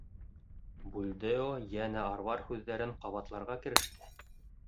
Бульдео йәнә арбар һүҙҙәрен ҡабатларға кереште.